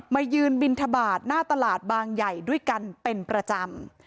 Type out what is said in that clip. ยืนบินทบาทหน้าตลาดบางใหญ่ด้วยกันเป็นประจำ